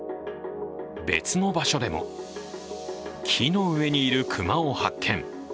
別の場所でも、木の上にいる熊を発見。